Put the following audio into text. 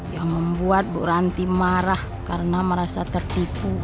yang membuat bu ranti marah karena merasa tertipu